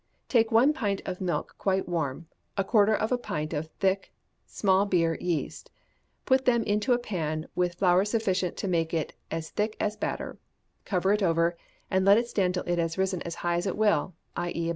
Take one pint of milk quite warm, a quarter of a pint of thick small beer yeast; put them into a pan with flour sufficient to make it as thick as batter, cover it over, and let it stand till it has risen as high as it will, i. e.